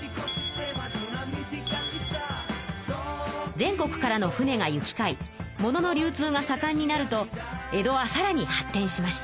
全国からの船が行きかいものの流通がさかんになると江戸はさらに発てんしました。